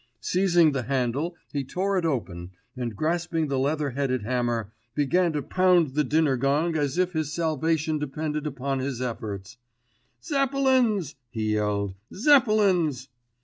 Seizing the handle he tore it open and, grasping the leather headed hammer, began to pound the dinner gong as if his salvation depended upon his efforts. "Zeppelins," he yelled, "Zeppelins."